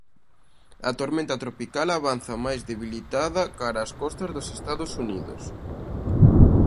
A tormenta tropical avanza máis debilitada cara ás costas dos Estados Unidos.